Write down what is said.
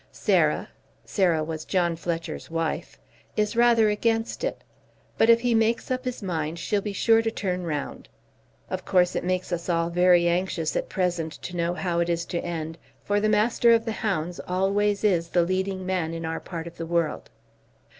Sarah [Sarah was John Fletcher's wife] is rather against it. But if he makes up his mind she'll be sure to turn round. Of course it makes us all very anxious at present to know how it is to end, for the Master of the Hounds always is the leading man in our part of the world.